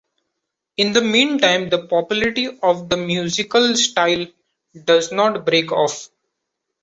In the meantime, the popularity of the musical style does not break off.